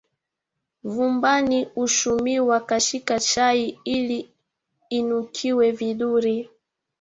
Mvumbani huchumiwa kachika chai ili inukie vidhuri